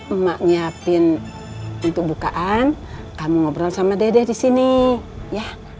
emak nyiapin untuk bukaan kamu ngobrol sama dede di sini ya